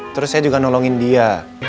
terus saya juga nolongin dia